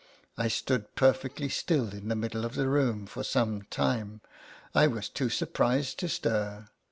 I stood perfectly still in the middle of the room for some time. I was too sur prised to stir.